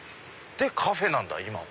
カフェなんだ今は。